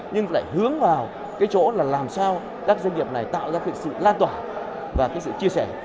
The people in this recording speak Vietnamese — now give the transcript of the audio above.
nhưng lại hướng vào cái chỗ là làm sao các doanh nghiệp này tạo ra cái sự lan tỏa và cái sự chia sẻ